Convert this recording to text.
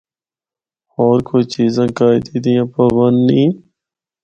ہور کوئی چیزاں قائدے دیاں پابند نیں۔